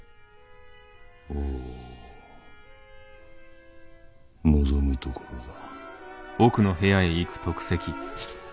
ほう望むところだ。